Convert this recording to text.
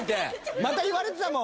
また言われてたもん。